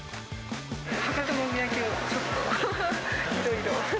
博多のお土産をちょっといろ